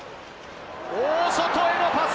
大外へのパス。